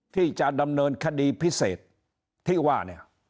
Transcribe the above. ที่จะดำเนินคดีพิเศษที่ว่าเนี่ย